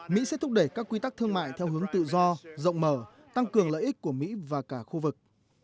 mỹ sẽ thúc đẩy các quy tắc thương mại theo hướng tự do rộng mở tăng cường lợi ích của mỹ và cả khu vực